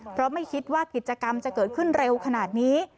เพราะไม่คิดว่ากิจกรรมจะเกิดขึ้นเร็วขนาดนี้